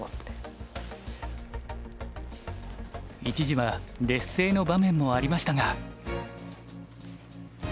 一時は劣勢の場面もありましたが。